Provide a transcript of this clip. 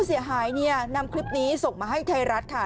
เสียหายเนี่ยนำคลิปนี้ส่งมาให้ไทยรัฐค่ะ